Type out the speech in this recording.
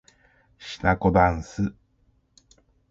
しなこだんす